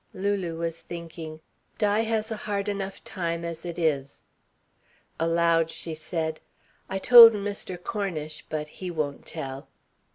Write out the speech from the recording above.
Lulu was thinking: "Di has a hard enough time as it is." Aloud she said: "I told Mr. Cornish, but he won't tell."